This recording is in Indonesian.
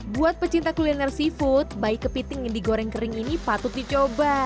buat pecinta kuliner seafood bayi kepiting yang digoreng kering ini patut dicoba